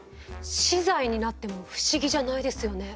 死罪になっても不思議じゃないですよね。